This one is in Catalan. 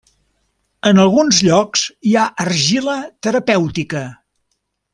En alguns llocs hi ha argila terapèutica.